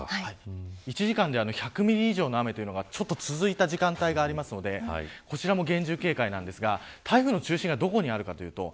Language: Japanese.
１時間で１００ミリ以上の雨というのが続いた時間帯がありますのでこちらも厳重警戒ですが台風の中心がどこにあるかというと